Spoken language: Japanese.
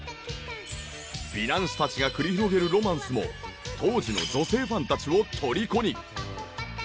美男子たちが繰り広げるロマンスも当時の女性ファンたちを虜に！